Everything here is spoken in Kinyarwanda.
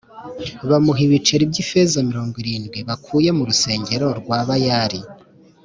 bamuha ibiceri by ifeza mirongo irindwi bakuye mu rusengero rwa bayali